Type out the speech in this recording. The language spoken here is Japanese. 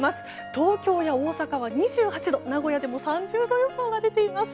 東京や大阪は２８度名古屋でも３０度予想が出ています。